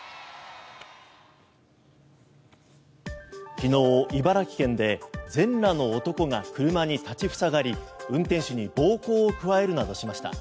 昨日、茨城県で全裸の男が車に立ち塞がり運転手に暴行を加えるなどしました。